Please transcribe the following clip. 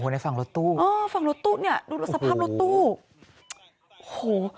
ในฝั่งรถตู้เออฝั่งรถตู้เนี่ยดูสภาพรถตู้โอ้โห